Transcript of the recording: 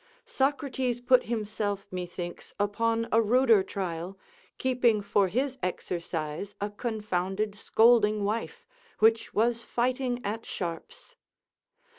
Socrates put himself, methinks, upon a ruder trial, keeping for his exercise a confounded scolding wife, which was fighting at sharps.